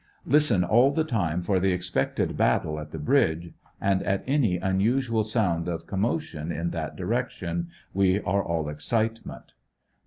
Listen all the time for the expected battle at the bridge, and at any unusual sound of commotion in FINAL ESCAPE, 151 that direction we are all excitement.